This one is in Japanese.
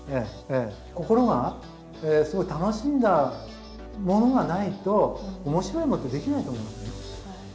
心がすごい楽しんだものがないと面白いものって出来ないと思うんですね。